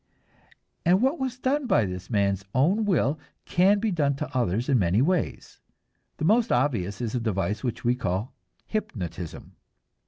And what was done by this man's own will can be done to others in many ways. The most obvious is a device which we call hypnotism.